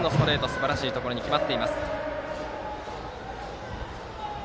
すばらしいところに決まっています。